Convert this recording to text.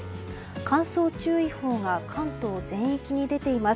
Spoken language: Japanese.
乾燥注意報が関東全域に出ています。